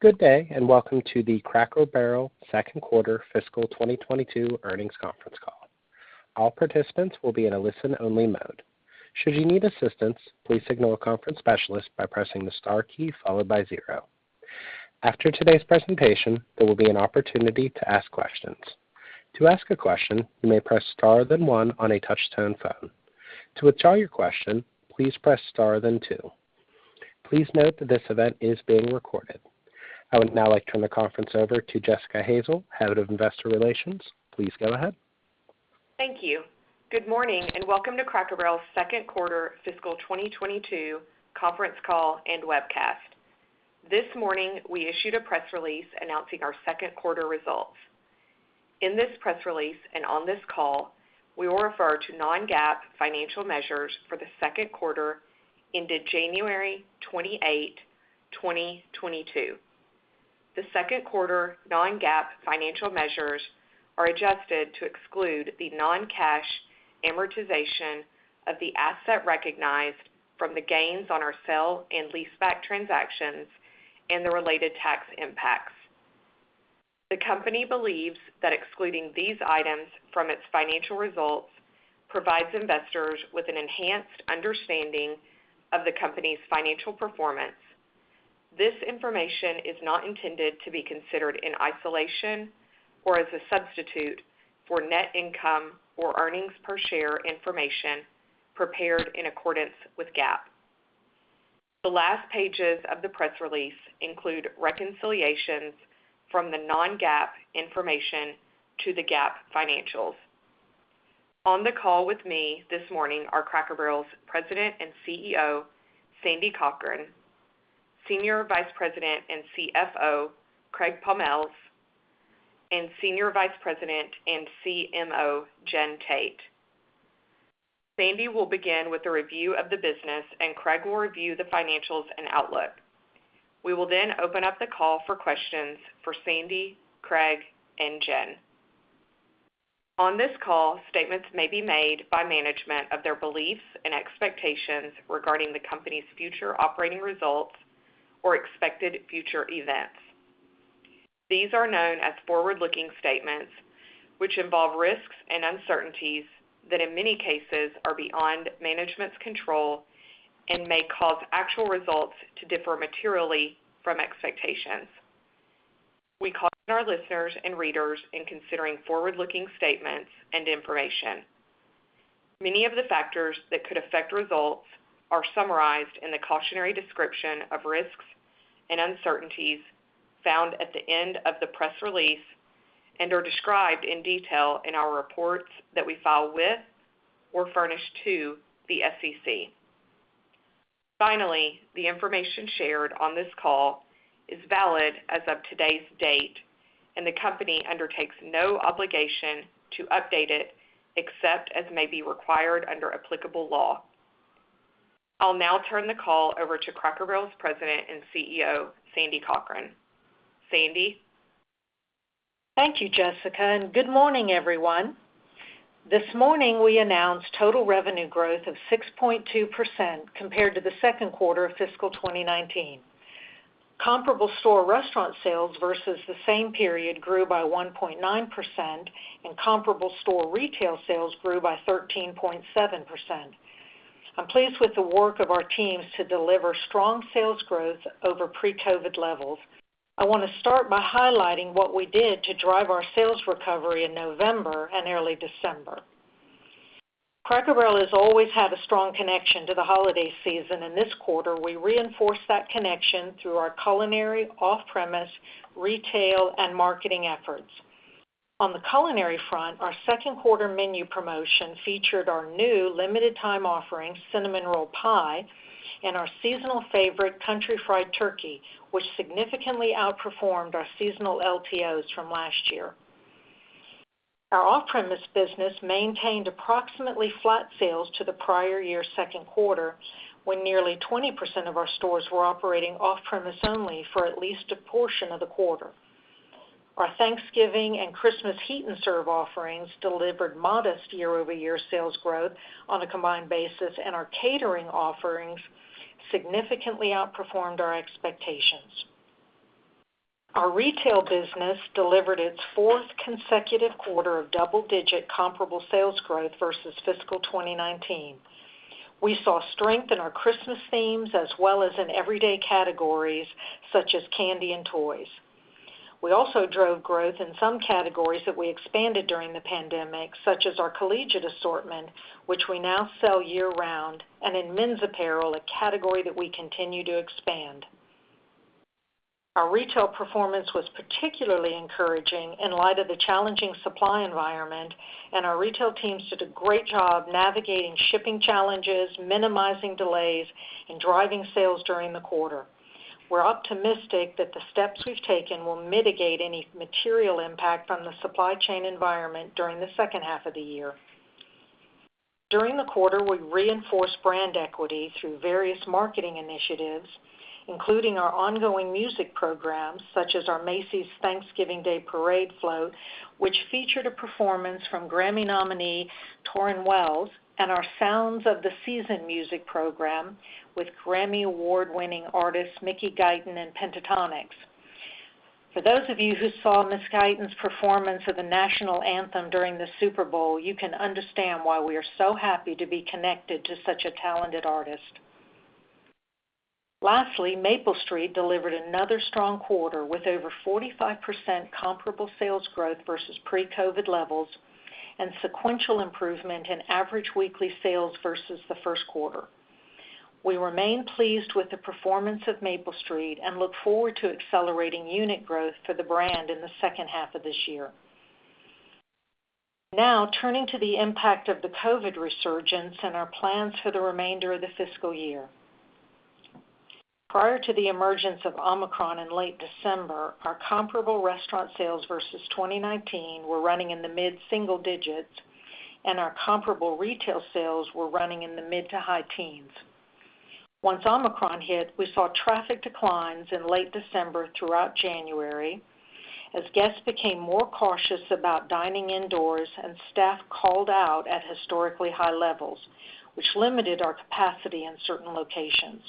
Good day, and welcome to the Cracker Barrel Q2 Fiscal 2022 Earnings Conference Call. All participants will be in a listen-only mode. Should you need assistance, please signal a conference specialist by pressing the star key followed by zero. After today's presentation, there will be an opportunity to ask questions. To ask a question, you may press star then one on a touch-tone phone. To withdraw your question, please press star then two. Please note that this event is being recorded. I would now like to turn the conference over to Jessica Hazel, Head of Investor Relations. Please go ahead. Thank you. Good morning, and welcome to Cracker Barrel's Q2 fiscal 2022 conference call and webcast. This morning, we issued a press release announcing our Q2 results. In this press release and on this call, we will refer to non-GAAP financial measures for the Q2 ended January 28, 2022. The Q2 non-GAAP financial measures are adjusted to exclude the non-cash amortization of the asset recognized from the gains on our sale and leaseback transactions and the related tax impacts. The company believes that excluding these items from its financial results provides investors with an enhanced understanding of the company's financial performance. This information is not intended to be considered in isolation or as a substitute for net income or earnings per share information prepared in accordance with GAAP. The last pages of the press release include reconciliations from the non-GAAP information to the GAAP financials. On the call with me this morning are Cracker Barrel's President and CEO, Sandy Cochran, Senior Vice President and CFO, Craig Pommells, and Senior Vice President and CMO, Jennifer Tate. Sandy will begin with a review of the business, and Craig will review the financials and outlook. We will then open up the call for questions for Sandy, Craig, and Jen. On this call, statements may be made by management of their beliefs and expectations regarding the company's future operating results or expected future events. These are known as forward-looking statements, which involve risks and uncertainties that in many cases are beyond management's control and may cause actual results to differ materially from expectations. We caution our listeners and readers in considering forward-looking statements and information. Many of the factors that could affect results are summarized in the cautionary description of risks and uncertainties found at the end of the press release and are described in detail in our reports that we file with or furnish to the SEC. Finally, the information shared on this call is valid as of today's date, and the company undertakes no obligation to update it except as may be required under applicable law. I'll now turn the call over to Cracker Barrel's President and CEO, Sandy Cochran. Sandy? Thank you, Jessica, and good morning, everyone. This morning, we announced total revenue growth of 6.2% compared to the Q2 of fiscal 2019. Comparable store restaurant sales versus the same period grew by 1.9%, and comparable store retail sales grew by 13.7%. I'm pleased with the work of our teams to deliver strong sales growth over pre-COVID levels. I want to start by highlighting what we did to drive our sales recovery in November and early December. Cracker Barrel has always had a strong connection to the holiday season, and this quarter we reinforced that connection through our culinary, off-premise, retail, and marketing efforts. On the culinary front, our Q2 menu promotion featured our new limited time offering, Cinnamon Roll Pie, and our seasonal favorite, Country Fried Turkey, which significantly outperformed our seasonal LTOs from last year. Our off-premise business maintained approximately flat sales to the prior year's Q2, when nearly 20% of our stores were operating off-premise only for at least a portion of the quarter. Our Thanksgiving and Christmas heat and serve offerings delivered modest year-over-year sales growth on a combined basis, and our catering offerings significantly outperformed our expectations. Our retail business delivered its fourth consecutive quarter of double-digit comparable sales growth versus fiscal 2019. We saw strength in our Christmas themes as well as in everyday categories such as candy and toys. We also drove growth in some categories that we expanded during the pandemic, such as our collegiate assortment, which we now sell year-round, and in men's apparel, a category that we continue to expand. Our retail performance was particularly encouraging in light of the challenging supply environment, and our retail teams did a great job navigating shipping challenges, minimizing delays, and driving sales during the quarter. We're optimistic that the steps we've taken will mitigate any material impact from the supply chain environment during the H2 of the year. During the quarter, we reinforced brand equity through various marketing initiatives, including our ongoing music programs such as our Macy's Thanksgiving Day Parade Float, which featured a performance from Grammy nominee Tauren Wells and our Sounds of the Season music program with Grammy Award-winning artists Mickey Guyton and Pentatonix. For those of you who saw Miss Guyton's performance of the national anthem during the Super Bowl, you can understand why we are so happy to be connected to such a talented artist. Lastly, Maple Street delivered another strong quarter with over 45% comparable sales growth versus pre-COVID levels and sequential improvement in average weekly sales versus the Q1. We remain pleased with the performance of Maple Street and look forward to accelerating unit growth for the brand in the H2 of this year. Now turning to the impact of the COVID resurgence and our plans for the remainder of the fiscal year. Prior to the emergence of Omicron in late December, our comparable restaurant sales versus 2019 were running in the mid-single digits%, and our comparable retail sales were running in the mid- to high-teens%. Once Omicron hit, we saw traffic declines in late December throughout January as guests became more cautious about dining indoors and staff called out at historically high levels, which limited our capacity in certain locations.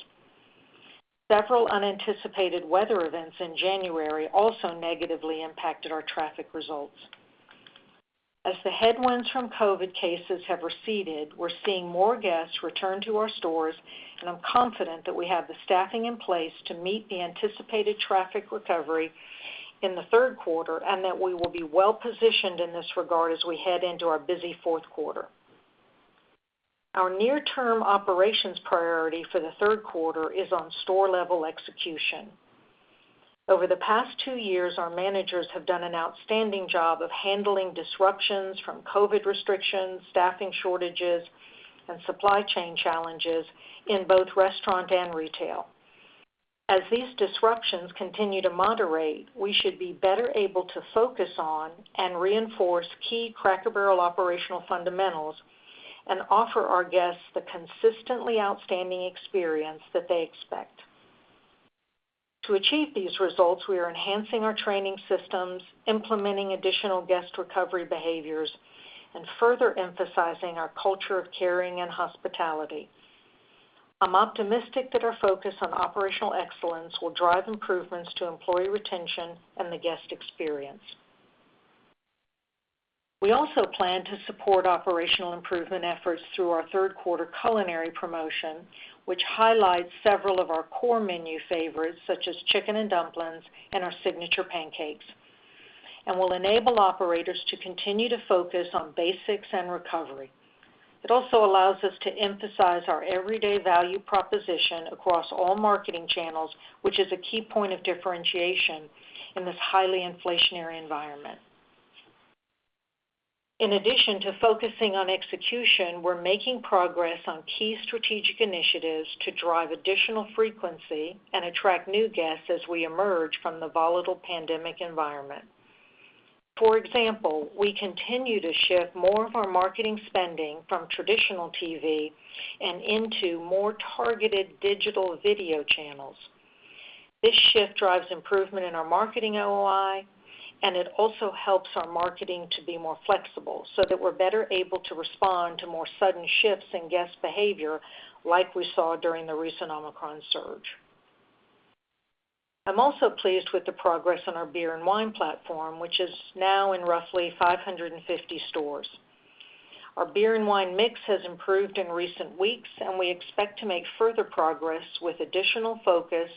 Several unanticipated weather events in January also negatively impacted our traffic results. As the headwinds from COVID cases have receded, we're seeing more guests return to our stores, and I'm confident that we have the staffing in place to meet the anticipated traffic recovery in the Q3 and that we will be well positioned in this regard as we head into our busy Q4. Our near-term operations priority for the Q3 is on store-level execution. Over the past two years, our managers have done an outstanding job of handling disruptions from COVID restrictions, staffing shortages, and supply chain challenges in both restaurant and retail. As these disruptions continue to moderate, we should be better able to focus on and reinforce key Cracker Barrel operational fundamentals and offer our guests the consistently outstanding experience that they expect. To achieve these results, we are enhancing our training systems, implementing additional guest recovery behaviors, and further emphasizing our culture of caring and hospitality. I'm optimistic that our focus on operational excellence will drive improvements to employee retention and the guest experience. We also plan to support operational improvement efforts through our Q3 culinary promotion, which highlights several of our core menu favorites, such as Chicken and Dumplings and our signature pancakes, and will enable operators to continue to focus on basics and recovery. It also allows us to emphasize our everyday value proposition across all marketing channels, which is a key point of differentiation in this highly inflationary environment. In addition to focusing on execution, we're making progress on key strategic initiatives to drive additional frequency and attract new guests as we emerge from the volatile pandemic environment. For example, we continue to shift more of our marketing spending from traditional TV and into more targeted digital video channels. This shift drives improvement in our marketing ROI, and it also helps our marketing to be more flexible so that we're better able to respond to more sudden shifts in guest behavior like we saw during the recent Omicron surge. I'm also pleased with the progress on our beer and wine platform, which is now in roughly 550 stores. Our beer and wine mix has improved in recent weeks, and we expect to make further progress with additional focus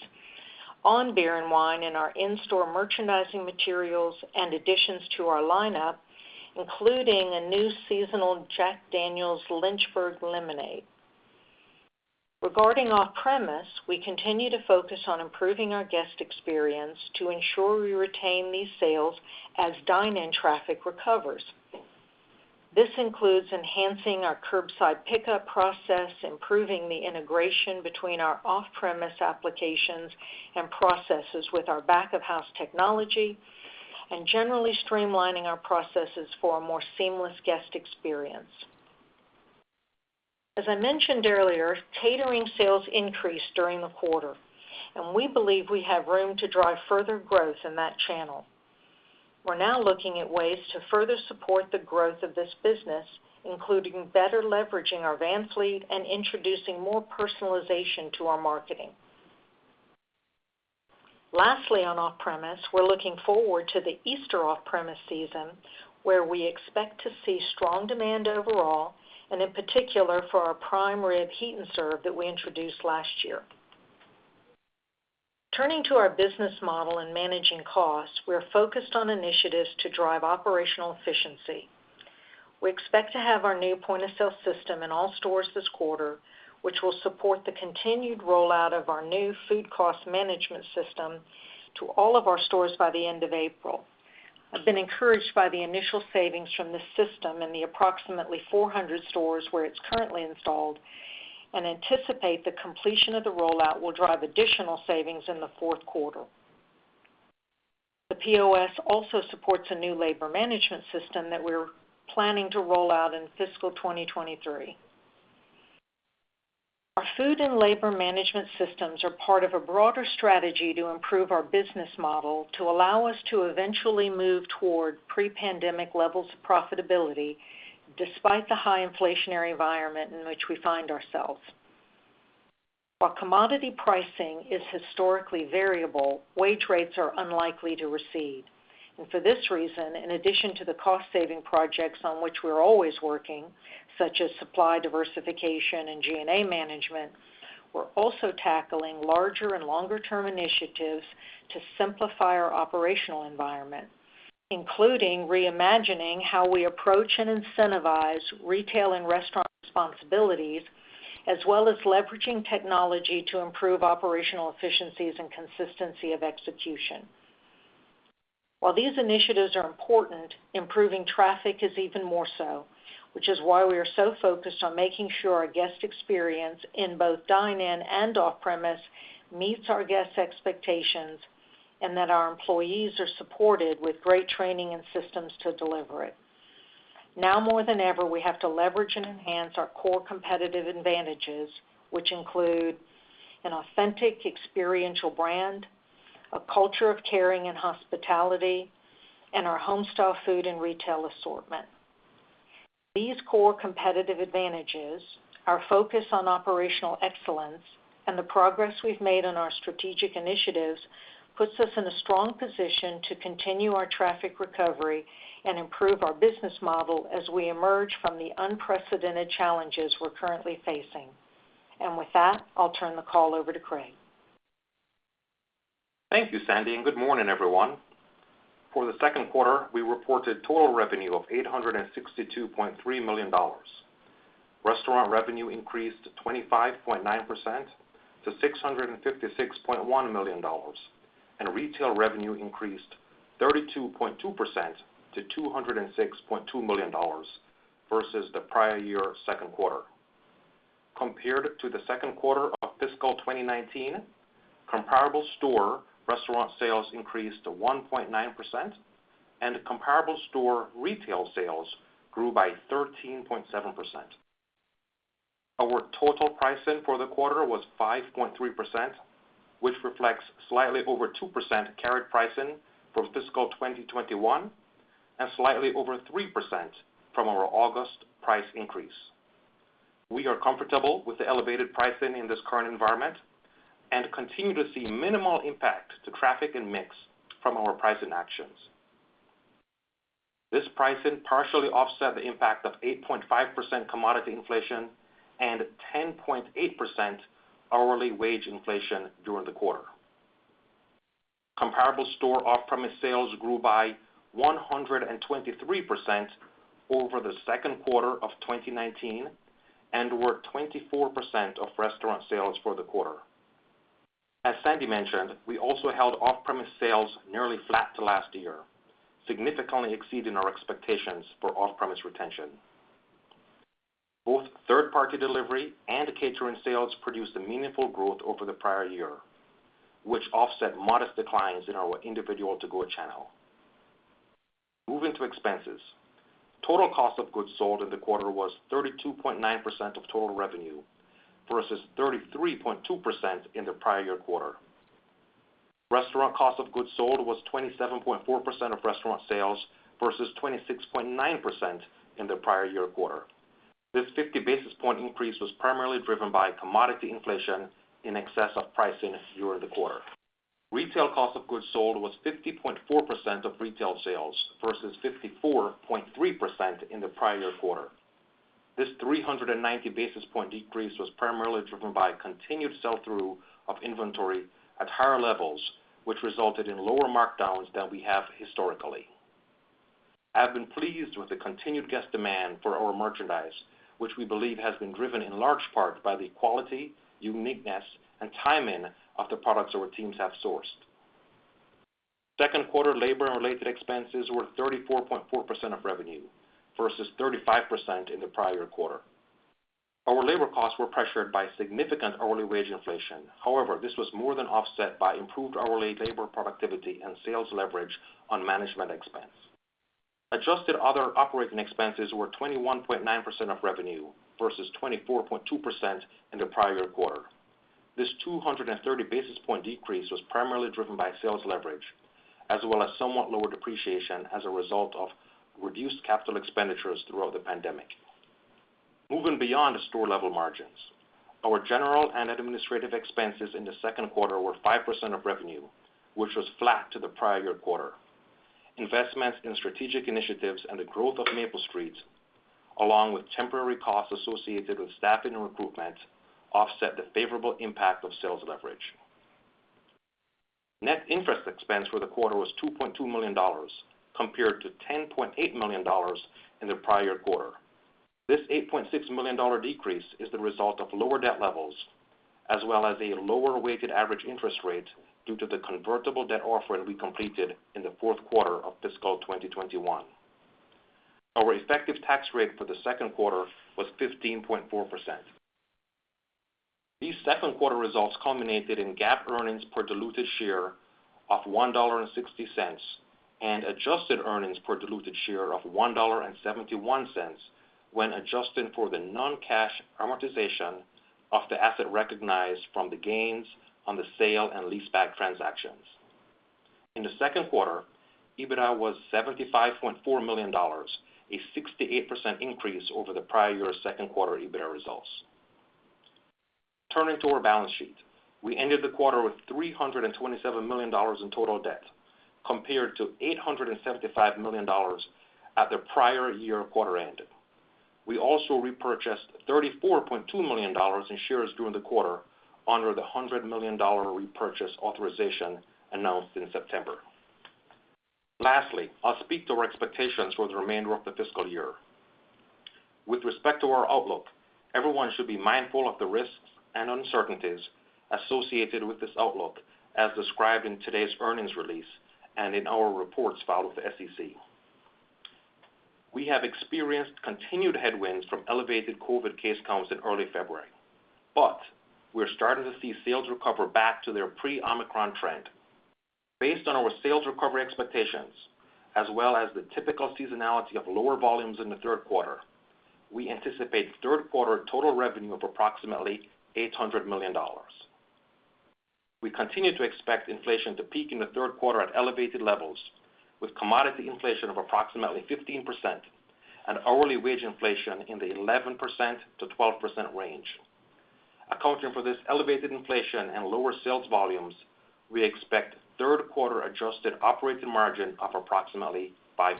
on beer and wine in our in-store merchandising materials and additions to our lineup, including a new seasonal Jack Daniel's Lynchburg Lemonade. Regarding off-premise, we continue to focus on improving our guest experience to ensure we retain these sales as dine-in traffic recovers. This includes enhancing our curbside pickup process, improving the integration between our off-premise applications and processes with our back-of-house technology, and generally streamlining our processes for a more seamless guest experience. As I mentioned earlier, catering sales increased during the quarter, and we believe we have room to drive further growth in that channel. We're now looking at ways to further support the growth of this business, including better leveraging our van fleet and introducing more personalization to our marketing. Lastly, on off-premise, we're looking forward to the Easter off-premise season, where we expect to see strong demand overall and in particular for our prime rib heat and serve that we introduced last year. Turning to our business model and managing costs, we are focused on initiatives to drive operational efficiency. We expect to have our new point-of-sale system in all stores this quarter, which will support the continued rollout of our new food cost management system to all of our stores by the end of April. I've been encouraged by the initial savings from this system in the approximately 400 stores where it's currently installed and anticipate the completion of the rollout will drive additional savings in the Q4. The POS also supports a new labor management system that we're planning to roll out in fiscal 2023. Our food and labor management systems are part of a broader strategy to improve our business model to allow us to eventually move toward pre-pandemic levels of profitability despite the high inflationary environment in which we find ourselves. While commodity pricing is historically variable, wage rates are unlikely to recede. For this reason, in addition to the cost-saving projects on which we're always working, such as supply diversification and G&A management, we're also tackling larger and longer-term initiatives to simplify our operational environment, including reimagining how we approach and incentivize retail and restaurant responsibilities, as well as leveraging technology to improve operational efficiencies and consistency of execution. While these initiatives are important, improving traffic is even more so, which is why we are so focused on making sure our guest experience in both dine-in and off-premise meets our guests' expectations, and that our employees are supported with great training and systems to deliver it. Now more than ever, we have to leverage and enhance our core competitive advantages, which include an authentic experiential brand, a culture of caring and hospitality, and our home-style food and retail assortment. These core competitive advantages, our focus on operational excellence, and the progress we've made on our strategic initiatives, puts us in a strong position to continue our traffic recovery and improve our business model as we emerge from the unprecedented challenges we're currently facing. With that, I'll turn the call over to Craig. Thank you, Sandy, and good morning, everyone. For the Q2, we reported total revenue of $862.3 million. Restaurant revenue increased 25.9% to $656.1 million, and retail revenue increased 32.2% to $206.2 million versus the prior year Q2. Compared to the Q2 of fiscal 2019, comparable store restaurant sales increased to 1.9%, and comparable store retail sales grew by 13.7%. Our total pricing for the quarter was 5.3%, which reflects slightly over 2% carried pricing for fiscal 2021 and slightly over 3% from our August price increase. We are comfortable with the elevated pricing in this current environment and continue to see minimal impact to traffic and mix from our pricing actions. This pricing partially offset the impact of 8.5% commodity inflation and 10.8% hourly wage inflation during the quarter. Comparable store off-premise sales grew by 123% over the Q2 of 2019 and were 24% of restaurant sales for the quarter. As Sandy mentioned, we also held off-premise sales nearly flat to last year, significantly exceeding our expectations for off-premise retention. Both third-party delivery and catering sales produced a meaningful growth over the prior year, which offset modest declines in our individual to-go channel. Moving to expenses. Total cost of goods sold in the quarter was 32.9% of total revenue versus 33.2% in the prior year quarter. Restaurant cost of goods sold was 27.4% of restaurant sales versus 26.9% in the prior year quarter. This 50 basis point increase was primarily driven by commodity inflation in excess of pricing during the quarter. Retail cost of goods sold was 50.4% of retail sales versus 54.3% in the prior year quarter. This 390 basis point decrease was primarily driven by continued sell-through of inventory at higher levels, which resulted in lower markdowns than we have historically. I've been pleased with the continued guest demand for our merchandise, which we believe has been driven in large part by the quality, uniqueness, and timing of the products our teams have sourced. Q2 labor and related expenses were 34.4% of revenue versus 35% in the prior quarter. Our labor costs were pressured by significant hourly wage inflation. However, this was more than offset by improved hourly labor productivity and sales leverage on management expense. Adjusted other operating expenses were 21.9% of revenue versus 24.2% in the prior quarter. This 230 basis point decrease was primarily driven by sales leverage as well as somewhat lower depreciation as a result of reduced capital expenditures throughout the pandemic. Moving beyond the store level margins, our general and administrative expenses in the Q2 were 5% of revenue, which was flat to the prior year quarter. Investments in strategic initiatives and the growth of Maple Street, along with temporary costs associated with staffing and recruitment, offset the favorable impact of sales leverage. Net interest expense for the quarter was $2.2 million compared to $10.8 million in the prior quarter. This $8.6 million decrease is the result of lower debt levels as well as a lower weighted average interest rate due to the convertible debt offering we completed in the Q4 of fiscal 2021. Our effective tax rate for the Q2 was 15.4%. These Q2 results culminated in GAAP earnings per diluted share of $1.60, and adjusted earnings per diluted share of $1.71 when adjusting for the non-cash amortization of the asset recognized from the gains on the sale and leaseback transactions. In the Q2, EBITDA was $75.4 million, a 68% increase over the prior year Q2 EBITDA results. Turning to our balance sheet. We ended the quarter with $327 million in total debt, compared to $875 million at the prior year quarter end. We also repurchased $34.2 million in shares during the quarter under the $100 million repurchase authorization announced in September. Lastly, I'll speak to our expectations for the remainder of the fiscal year. With respect to our outlook, everyone should be mindful of the risks and uncertainties associated with this outlook, as described in today's earnings release and in our reports filed with the SEC. We have experienced continued headwinds from elevated COVID case counts in early February, but we're starting to see sales recover back to their pre-Omicron trend. Based on our sales recovery expectations, as well as the typical seasonality of lower volumes in the Q3, we anticipate Q3 total revenue of approximately $800 million. We continue to expect inflation to peak in the Q3 at elevated levels with commodity inflation of approximately 15% and hourly wage inflation in the 11%-12% range. Accounting for this elevated inflation and lower sales volumes, we expect Q3 adjusted operating margin of approximately 5%.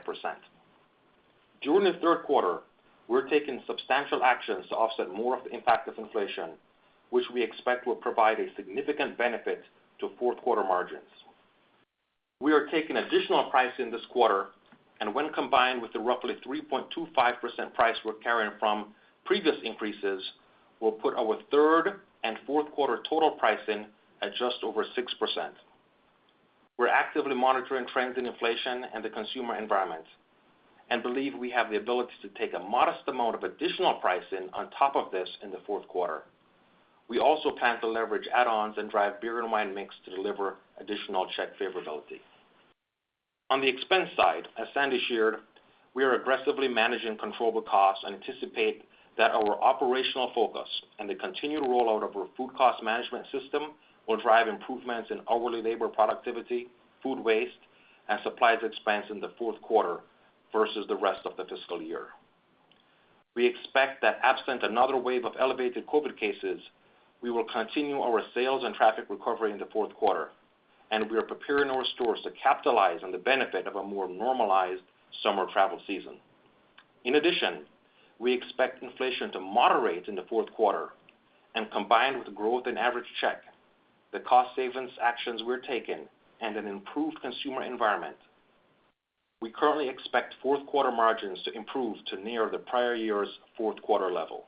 During the Q3, we're taking substantial actions to offset more of the impact of inflation, which we expect will provide a significant benefit to Q4 margins. We are taking additional pricing this quarter, and when combined with the roughly 3.25% price we're carrying from previous increases, will put our third and Q4 total pricing at just over 6%. We're actively monitoring trends in inflation and the consumer environment, and believe we have the ability to take a modest amount of additional pricing on top of this in the Q4. We also plan to leverage add-ons and drive beer and wine mix to deliver additional check favorability. On the expense side, as Sandy shared, we are aggressively managing controllable costs and anticipate that our operational focus and the continued rollout of our food cost management system will drive improvements in hourly labor productivity, food waste, and supplies expense in the Q4 versus the rest of the fiscal year. We expect that absent another wave of elevated COVID cases, we will continue our sales and traffic recovery in the Q4, and we are preparing our stores to capitalize on the benefit of a more normalized summer travel season. In addition, we expect inflation to moderate in the Q4, combined with growth in average check, the cost savings actions we're taking, and an improved consumer environment. We currently expect Q4 margins to improve to near the prior year's Q4 level.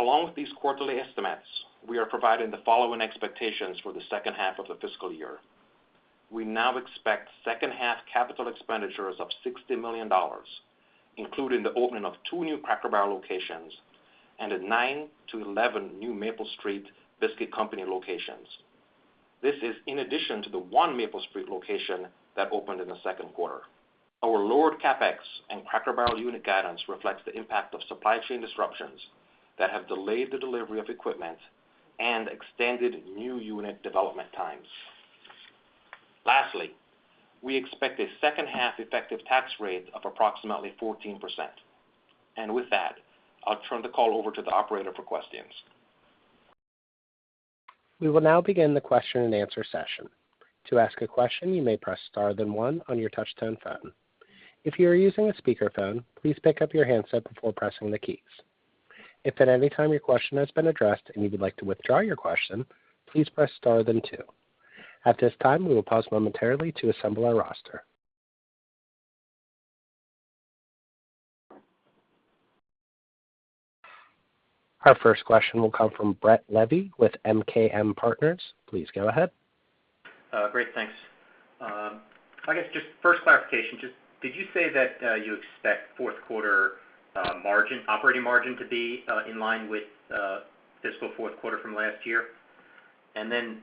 Along with these quarterly estimates, we are providing the following expectations for the H2 of the fiscal year. We now expect H2 capital expenditures of $60 million, including the opening of two new Cracker Barrel locations and 9-11 new Maple Street Biscuit Company locations. This is in addition to the one Maple Street location that opened in the Q2. Our lowered CapEx and Cracker Barrel unit guidance reflects the impact of supply chain disruptions that have delayed the delivery of equipment and extended new unit development times. Lastly, we expect a H2 effective tax rate of approximately 14%. With that, I'll turn the call over to the operator for questions. We will now begin the question and answer session. To ask a question, you may press star, then one on your touch-tone phone. If you are using a speakerphone, please pick up your handset before pressing the keys. If at any time your question has been addressed and you would like to withdraw your question, please press star, then two. At this time, we will pause momentarily to assemble our roster. Our first question will come from Brett Levy with MKM Partners. Please go ahead. Great, thanks. I guess just first clarification, just did you say that you expect Q4 margin, operating margin to be in line with fiscal Q4 from last year? Then,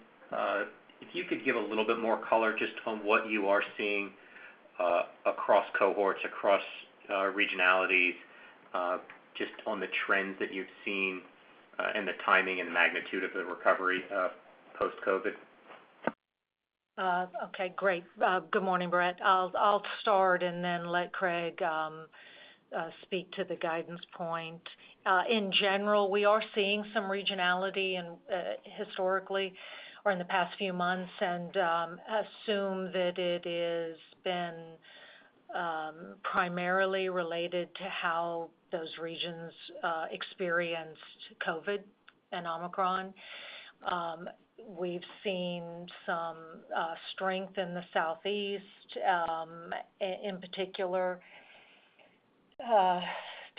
if you could give a little bit more color just on what you are seeing across cohorts, across regionalities just on the trends that you've seen and the timing and magnitude of the recovery of post-COVID. Okay, great. Good morning, Brett. I'll start and then let Craig speak to the guidance point. In general, we are seeing some regionality and historically or in the past few months assume that it has been primarily related to how those regions experienced COVID and Omicron. We've seen some strength in the Southeast, in particular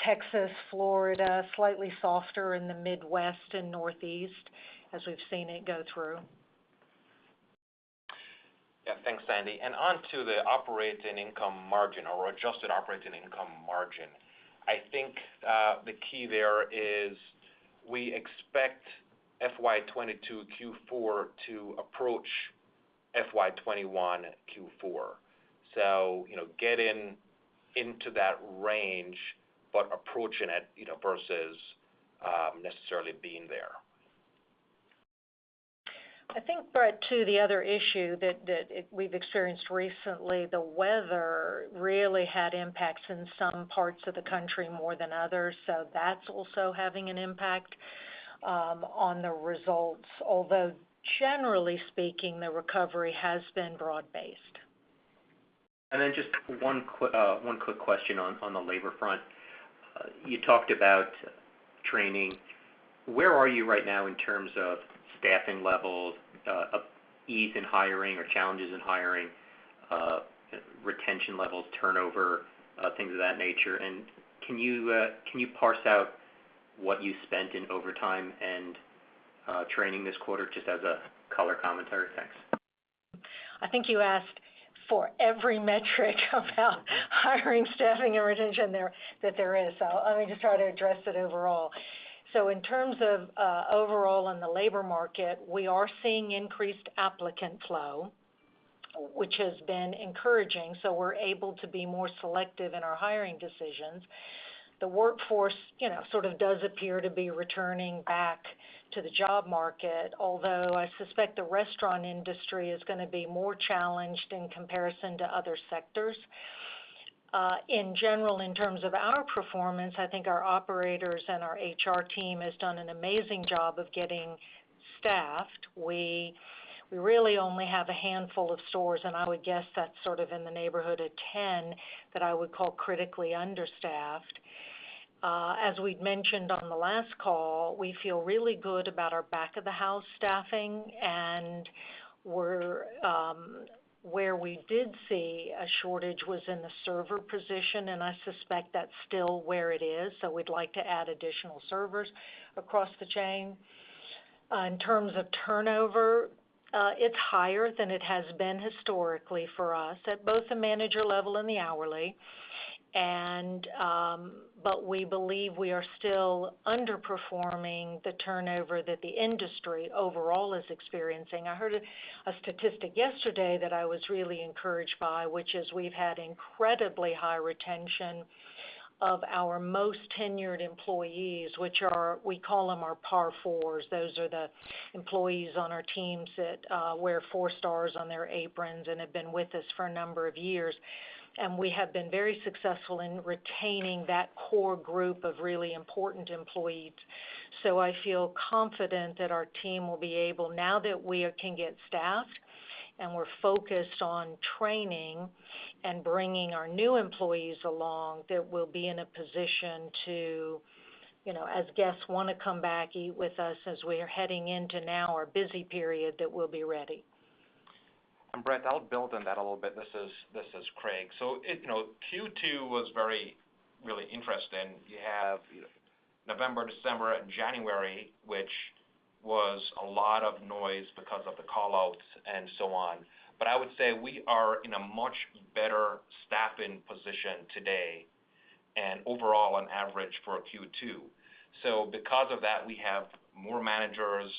Texas, Florida, slightly softer in the Midwest and Northeast as we've seen it go through. Yeah. Thanks, Sandy. On to the operating income margin or adjusted operating income margin. I think, the key there is we expect FY 2022 Q4 to approach FY 2021 Q4. You know, getting into that range, but approaching it, you know, versus necessarily being there. I think, Brett, too, the other issue that we've experienced recently, the weather really had impacts in some parts of the country more than others. That's also having an impact on the results, although generally speaking, the recovery has been broad-based. Just one quick question on the labor front. You talked about training. Where are you right now in terms of staffing levels, ease in hiring or challenges in hiring, retention levels, turnover, things of that nature? Can you parse out what you spent in overtime and training this quarter just as a color commentary? Thanks. I think you asked for every metric about hiring, staffing, and retention there that is. Let me just try to address it overall. In terms of overall in the labor market, we are seeing increased applicant flow, which has been encouraging, so we're able to be more selective in our hiring decisions. The workforce, you know, sort of does appear to be returning back to the job market, although I suspect the restaurant industry is gonna be more challenged in comparison to other sectors. In general, in terms of our performance, I think our operators and our HR team has done an amazing job of getting staffed. We really only have a handful of stores, and I would guess that's sort of in the neighborhood of 10, that I would call critically understaffed. As we'd mentioned on the last call, we feel really good about our back-of-the-house staffing and where we did see a shortage was in the server position, and I suspect that's still where it is. So we'd like to add additional servers across the chain. In terms of turnover, it's higher than it has been historically for us at both the manager level and the hourly. But we believe we are still underperforming the turnover that the industry overall is experiencing. I heard a statistic yesterday that I was really encouraged by, which is we've had incredibly high retention of our most tenured employees, which are. We call them our Par Fours. Those are the employees on our teams that wear four stars on their aprons and have been with us for a number of years. We have been very successful in retaining that core group of really important employees. I feel confident that our team will be able, now that we can get staffed and we're focused on training and bringing our new employees along, that we'll be in a position to, you know, as guests wanna come back, eat with us as we are heading into now our busy period, that we'll be ready. Brett, I'll build on that a little bit. This is Craig. It, you know, Q2 was very really interesting. You have November, December, and January, which was a lot of noise because of the call outs and so on. I would say we are in a much better staffing position today and overall on average for Q2. Because of that, we have more managers,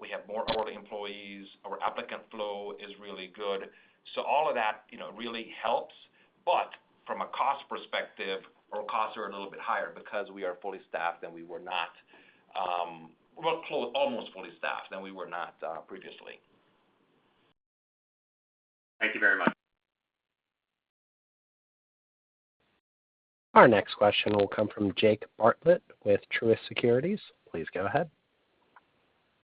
we have more hourly employees. Our applicant flow is really good. All of that, you know, really helps. From a cost perspective, our costs are a little bit higher because we are fully staffed, and we were not almost fully staffed, and we were not previously. Thank you very much. Our next question will come from Jake Bartlett with Truist Securities. Please go ahead.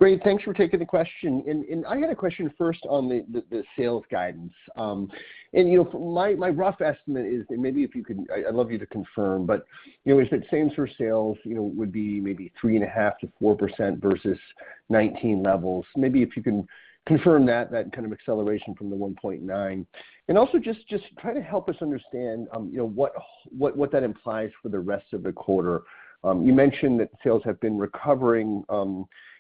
Great. Thanks for taking the question. I got a question first on the sales guidance. You know, my rough estimate is, and maybe if you can. I'd love you to confirm, but you know, is that same store sales would be maybe 3.5%-4% versus 2019 levels. Maybe if you can confirm that kind of acceleration from the 1.9%. Just try to help us understand what that implies for the rest of the quarter. You mentioned that sales have been recovering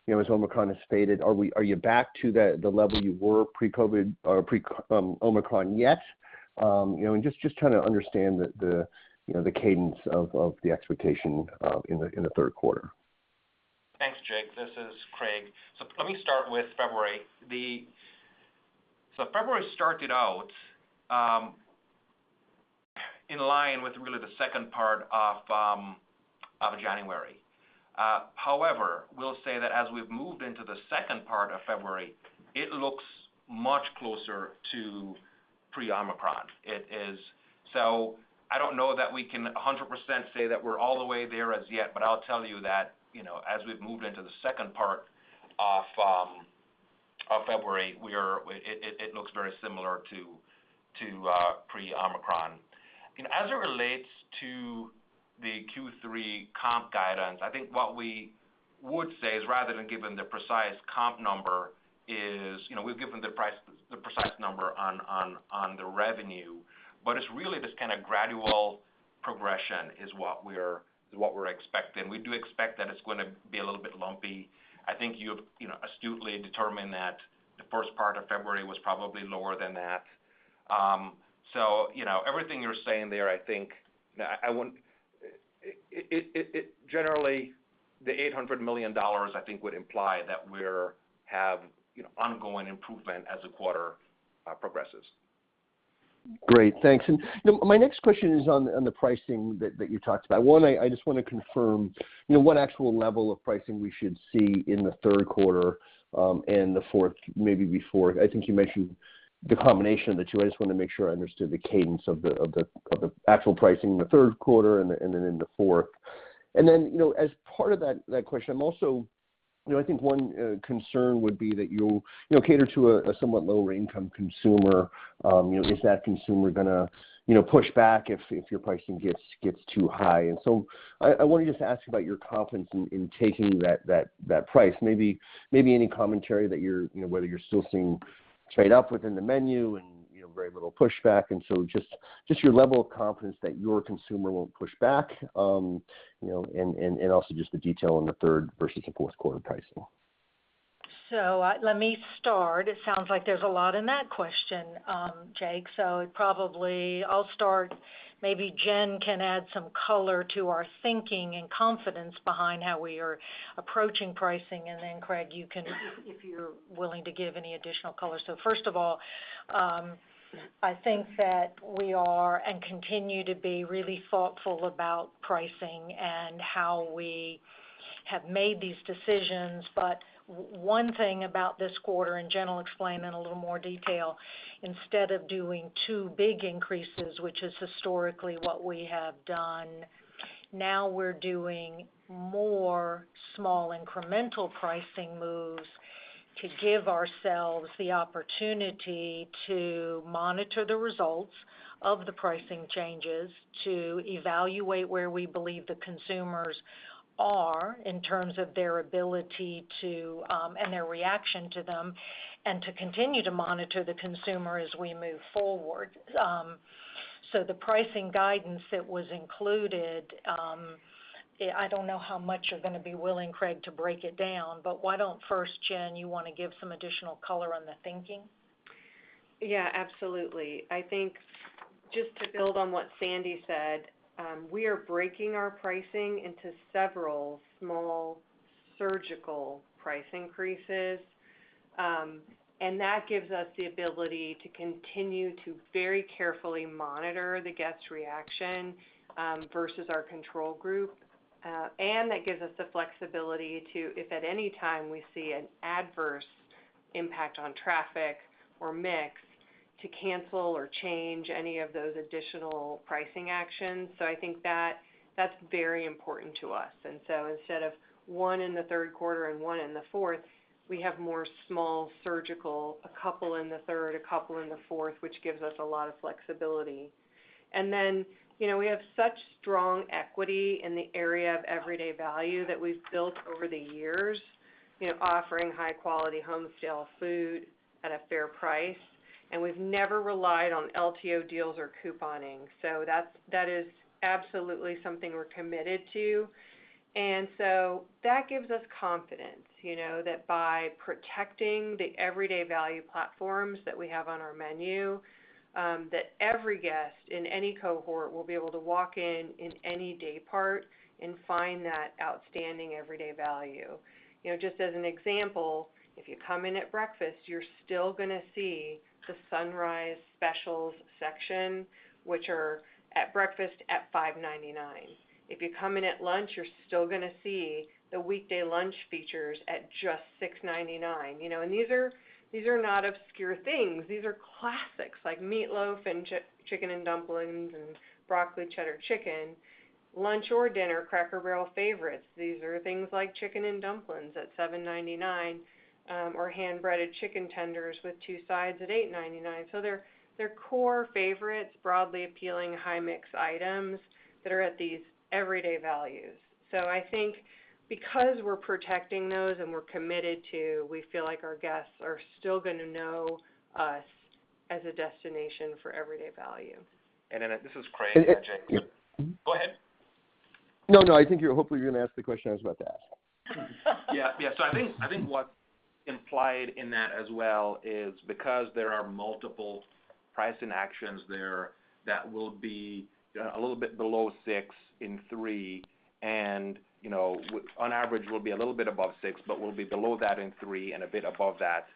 as Omicron has faded. Are you back to the level you were pre-COVID or pre-Omicron yet? You know, just trying to understand the you know, the cadence of the expectation in the Q3. Thanks, Jake. This is Craig. Let me start with February. February started out in line with really the second part of January. However, we'll say that as we've moved into the second part of February, it looks much closer to pre-Omicron. It is. I don't know that we can 100% say that we're all the way there as yet, but I'll tell you that, you know, as we've moved into the second part of February, it looks very similar to pre-Omicron. As it relates to the Q3 comp guidance, I think what we would say is rather than giving the precise comp number, you know, we've given the precise number on the revenue. It's really this kind of gradual progression is what we're expecting. We do expect that it's gonna be a little bit lumpy. I think you've, you know, astutely determined that the first part of February was probably lower than that. So, you know, everything you're saying there, I think, it generally, the $800 million, I think, would imply that we have, you know, ongoing improvement as the quarter progresses. Great. Thanks. My next question is on the pricing that you talked about. One, I just wanna confirm, you know, what actual level of pricing we should see in the Q3 and the fourth, maybe before. I think you mentioned the combination of the two. I just wanna make sure I understood the cadence of the actual pricing in the Q3 and then in the fourth. You know, as part of that question, I'm also you know, I think one concern would be that you'll, you know, cater to a somewhat lower income consumer. You know, is that consumer gonna, you know, push back if your pricing gets too high? I want to just ask about your confidence in taking that price. Maybe any commentary that you're, you know, whether you're still seeing trade up within the menu and, you know, very little pushback. Just your level of confidence that your consumer won't push back. You know, and also just the detail on the third versus the Q4 pricing. Let me start. It sounds like there's a lot in that question, Jake, so probably I'll start. Maybe Jen can add some color to our thinking and confidence behind how we are approaching pricing. Then Craig, you can, if you're willing to give any additional color. First of all, I think that we are and continue to be really thoughtful about pricing and how we have made these decisions. One thing about this quarter, and Jen will explain in a little more detail, instead of doing two big increases, which is historically what we have done, now we're doing more small incremental pricing moves to give ourselves the opportunity to monitor the results of the pricing changes, to evaluate where we believe the consumers are in terms of their ability to, and their reaction to them, and to continue to monitor the consumer as we move forward. The pricing guidance that was included, I don't know how much you're gonna be willing, Craig, to break it down, but why don't first, Jen, you wanna give some additional color on the thinking? Yeah, absolutely. I think just to build on what Sandy said, we are breaking our pricing into several small surgical price increases. That gives us the ability to continue to very carefully monitor the guest reaction, versus our control group. That gives us the flexibility to, if at any time we see an adverse impact on traffic or mix, to cancel or change any of those additional pricing actions. I think that that's very important to us. Instead of one in the Q3 and one in the fourth, we have more small surgical, a couple in the third, a couple in the fourth, which gives us a lot of flexibility. You know, we have such strong equity in the area of everyday value that we've built over the years, you know, offering high quality home style food at a fair price. We've never relied on LTO deals or couponing. That is absolutely something we're committed to. That gives us confidence, you know, that by protecting the everyday value platforms that we have on our menu, that every guest in any cohort will be able to walk in in any day part and find that outstanding everyday value. You know, just as an example, if you come in at breakfast, you're still gonna see the Sunrise Specials section, which are at breakfast at $5.99. If you come in at lunch, you're still gonna see the weekday lunch features at just $6.99. These are not obscure things. These are classics like meatloaf and chicken and dumplings and Broccoli Cheddar Chicken, lunch or dinner Cracker Barrel favorites. These are things like Chicken and Dumplings at $7.99 or hand-breaded chicken tenders with two sides at $8.99. They're core favorites, broadly appealing, high mix items that are at these everyday values. I think because we're protecting those and we're committed to, we feel like our guests are still gonna know us as a destination for everyday value. This is Craig. Jake- Yeah. Go ahead. No, no, I think you're hopefully gonna ask the question I was about to ask. I think what's implied in that as well is because there are multiple pricing actions there that will be a little bit below 6% in Q3 and, you know, on average will be a little bit above 6%, but will be below that in Q3 and a bit above that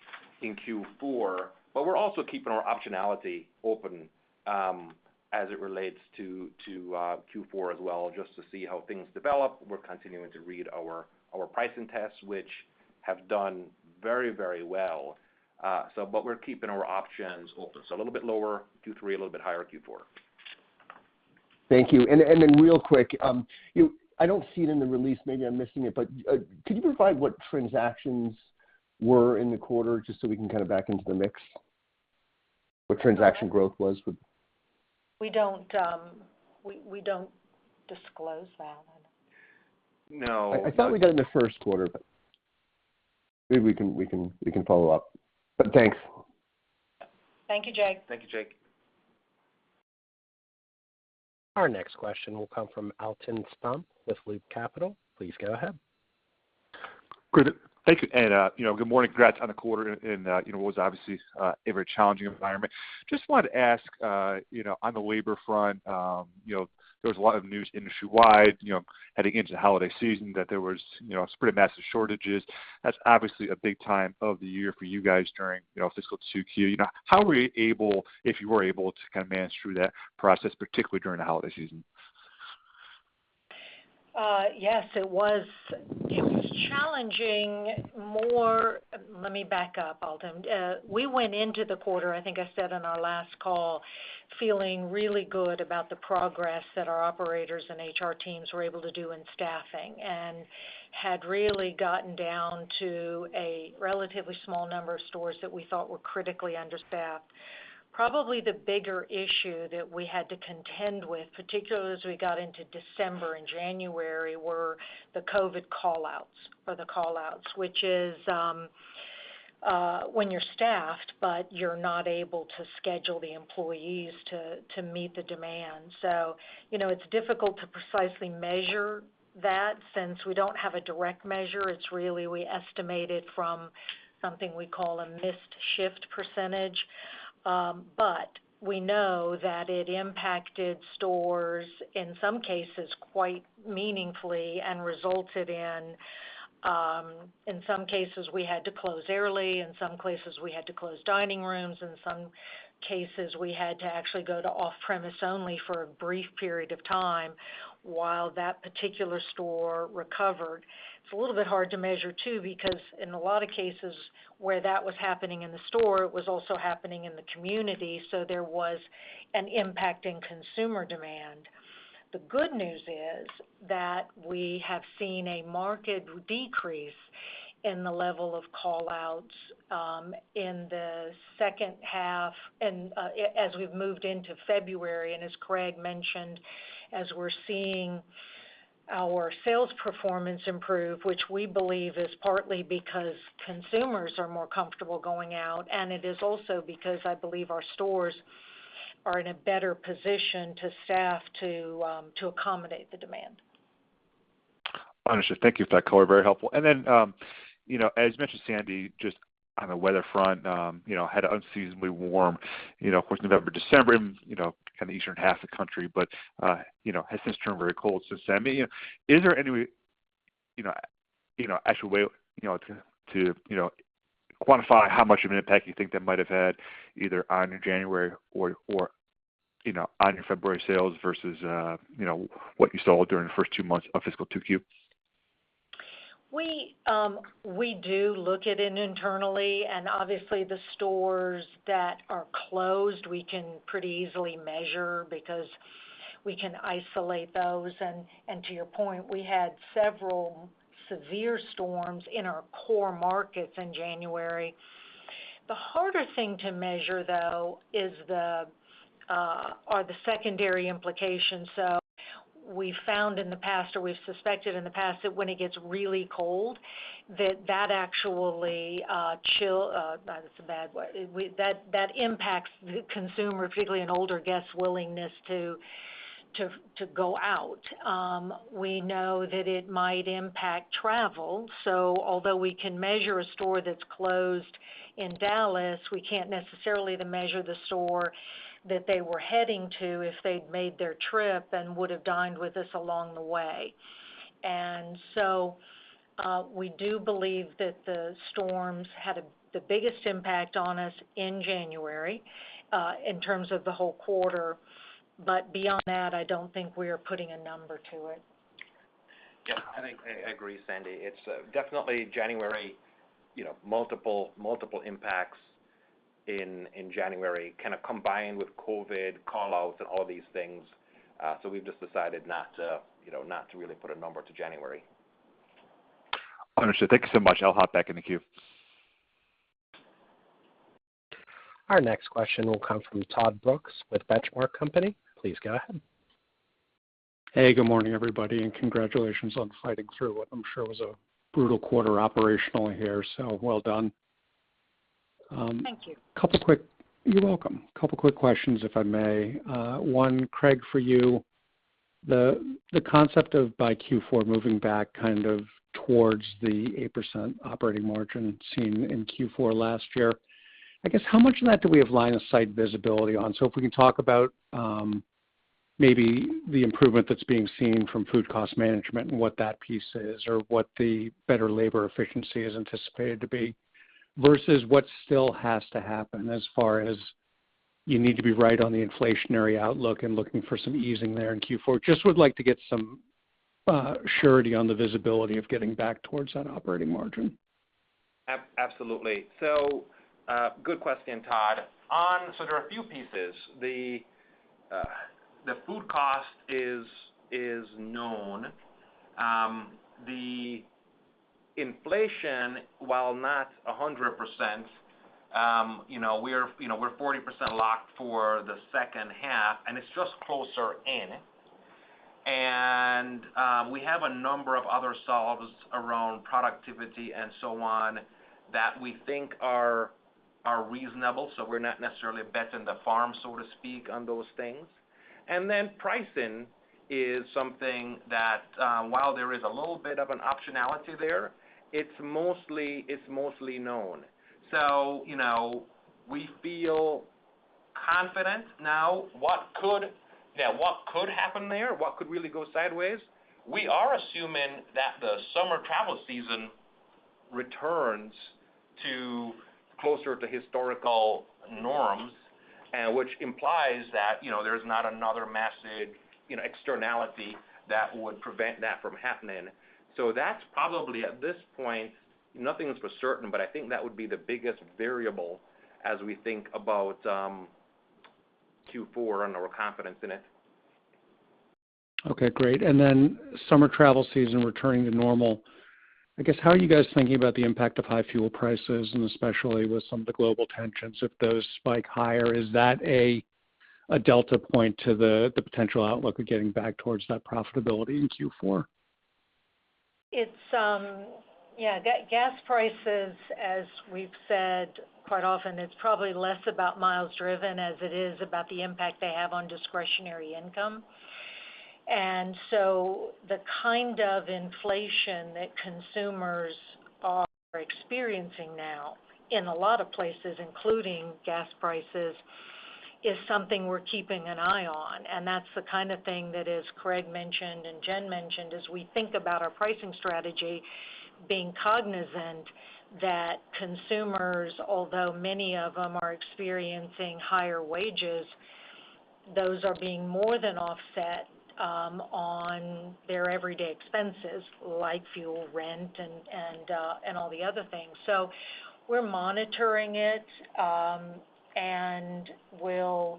in Q4. We're also keeping our optionality open as it relates to Q4 as well, just to see how things develop. We're continuing to read our pricing tests, which have done very, very well. We're keeping our options open. A little bit lower Q3, a little bit higher Q4. Thank you. Real quick, I don't see it in the release. Maybe I'm missing it, but could you provide what transactions were in the quarter just so we can kind of back into the mix? What transaction growth was with- We don't disclose that. No. I thought we did in the Q1, but maybe we can follow up. Thanks. Thank you, Jake. Thank you, Jake. Our next question will come from Alton Stump with Loop Capital. Please go ahead. Good. Thank you. You know, good morning. Congrats on the quarter and, you know, it was obviously a very challenging environment. Just wanted to ask, you know, on the labor front, you know, there was a lot of news industry-wide, you know, heading into the holiday season that there was, you know, some pretty massive shortages. That's obviously a big time of the year for you guys during, you know, fiscal 2Q. How were you able, if you were able, to kind of manage through that process, particularly during the holiday season? Yes, it was challenging. Let me back up, Alton. We went into the quarter. I think I said on our last call, feeling really good about the progress that our operators and HR teams were able to do in staffing, and had really gotten down to a relatively small number of stores that we thought were critically understaffed. Probably the bigger issue that we had to contend with, particularly as we got into December and January, were the COVID callouts or the callouts, which is when you're staffed, but you're not able to schedule the employees to meet the demand. You know, it's difficult to precisely measure that since we don't have a direct measure. It's really, we estimate it from something we call a missed shift percentage. We know that it impacted stores, in some cases, quite meaningfully and resulted in some cases, we had to close early, in some cases, we had to close dining rooms, in some cases, we had to actually go to off-premise only for a brief period of time while that particular store recovered. It's a little bit hard to measure too, because in a lot of cases where that was happening in the store, it was also happening in the community, so there was an impact in consumer demand. The good news is that we have seen a marked decrease in the level of callouts, in the H2 and, as we've moved into February, and as Craig mentioned, as we're seeing our sales performance improve, which we believe is partly because consumers are more comfortable going out. It is also because I believe our stores are in a better position to staff to accommodate the demand. Understood. Thank you for that color. Very helpful. As mentioned, Sandy, just on the weather front, you know, had unseasonably warm, you know, of course, November, December, you know, kind of eastern half the country, but, you know, has since turned very cold since then. You know, is there any, you know, actual way, you know, to quantify how much of an impact you think that might have had either on your January or, you know, on your February sales versus, you know, what you saw during the first two months of fiscal 2Q? We do look at it internally, and obviously the stores that are closed, we can pretty easily measure because we can isolate those. To your point, we had several severe storms in our core markets in January. The harder thing to measure, though, is the secondary implications. We found in the past or we've suspected in the past that when it gets really cold, that actually impacts the consumer, particularly an older guest's willingness to go out. We know that it might impact travel. Although we can measure a store that's closed in Dallas, we can't necessarily measure the store that they were heading to if they'd made their trip and would have dined with us along the way. We do believe that the storms had the biggest impact on us in January, in terms of the whole quarter. Beyond that, I don't think we are putting a number to it. Yeah. I think I agree, Sandy. It's definitely January, you know, multiple impacts in January, kind of combined with COVID callouts and all these things. We've just decided not to, you know, not to really put a number to January. Understood. Thank you so much. I'll hop back in the queue. Our next question will come from Todd Brooks with Benchmark Company. Please go ahead. Hey, good morning, everybody, and congratulations on fighting through what I'm sure was a brutal quarter operationally here. Well done. Thank you. You're welcome. Couple quick questions, if I may. One, Craig, for you. The concept of by Q4 moving back kind of towards the 8% operating margin seen in Q4 last year. I guess how much of that do we have line of sight visibility on? So if we can talk about maybe the improvement that's being seen from food cost management and what that piece is or what the better labor efficiency is anticipated to be versus what still has to happen as far as you need to be right on the inflationary outlook and looking for some easing there in Q4. Just would like to get some surety on the visibility of getting back towards that operating margin. Absolutely. Good question, Todd. There are a few pieces. The food cost is known. The inflation, while not 100%, you know, we're 40% locked for the H2, and it's just closer in. We have a number of other solves around productivity and so on that we think are reasonable, so we're not necessarily betting the farm, so to speak, on those things. Pricing is something that, while there is a little bit of an optionality there, it's mostly known. You know, we feel confident now. Yeah, what could happen there, what could really go sideways? We are assuming that the summer travel season returns to closer to historical norms, and which implies that, you know, there's not another massive, you know, externality that would prevent that from happening. So that's probably, at this point, nothing is for certain, but I think that would be the biggest variable as we think about Q4 and our confidence in it. Okay, great. Summer travel season returning to normal. I guess, how are you guys thinking about the impact of high fuel prices, and especially with some of the global tensions, if those spike higher, is that a delta point to the potential outlook of getting back towards that profitability in Q4? It's yeah, gas prices, as we've said quite often, it's probably less about miles driven as it is about the impact they have on discretionary income. The kind of inflation that consumers are experiencing now in a lot of places, including gas prices, is something we're keeping an eye on. That's the kind of thing that, as Craig mentioned and Jen mentioned, as we think about our pricing strategy, being cognizant that consumers, although many of them are experiencing higher wages, those are being more than offset on their everyday expenses like fuel, rent and all the other things. We're monitoring it, and we'll.